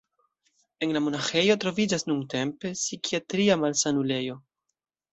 En la monaĥejo troviĝas nuntempe psikiatria malsanulejo.